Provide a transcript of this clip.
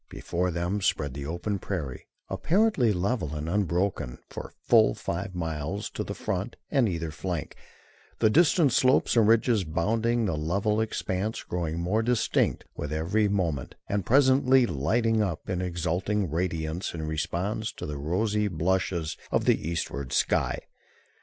Before them spread the open prairie, apparently level and unbroken for full five miles to the front and either flank, the distant slopes and ridges bounding the level expanse growing more distinct with every moment, and presently lighting up in exulting radiance in response to the rosy blushes of the eastward sky.